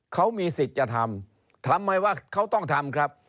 เขามีสิทธิ์จะทำทำไมว่าเขาต้องทำครับ